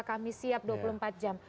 kami siap dua puluh empat jam